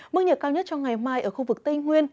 mức nhiệt cao nhất trong ngày mai ở khu vực tây nguyên